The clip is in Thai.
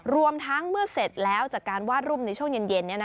รวมทั้งเมื่อเสร็จแล้วจากการวาดรูปในช่วงเย็น